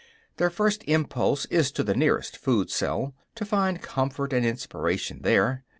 Their first impulse is to the nearest food cell, to find comfort and inspiration there.